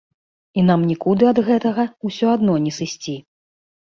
І нам нікуды ад гэтага ўсё адно не сысці.